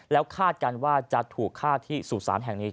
แล้วคาดกันว่าจะถูกฆ่าที่สุสานแห่งนี้